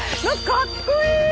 かっこいい！